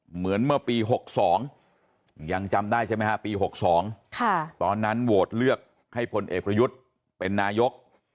เหมือนเมื่อปี๖๒ยังจำได้ใช่ไหมฮะปี๖๒ตอนนั้นโหวตเลือกให้พลเอกประยุทธ์เป็นนายก